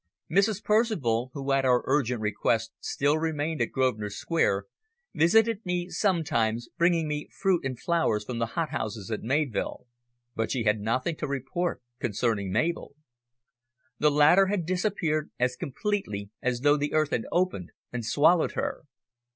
Mrs. Percival, who at our urgent request still remained at Grosvenor Square, visited me sometimes, bringing me fruit and flowers from the hothouses at Mayvill, but she had nothing to report concerning Mabel. The latter had disappeared as completely as though the earth had opened and swallowed her.